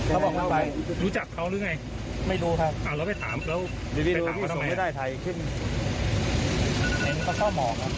เห็นเขาเศร้าหมอกนะ